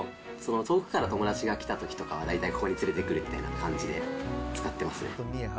遠くから友達が来たときとかは、大体ここに連れてくるみたいな感じで使ってますね。